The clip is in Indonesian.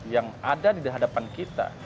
yang ada di hadapan kita